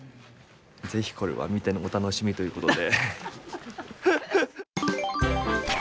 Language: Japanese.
是非これは見てのお楽しみということで。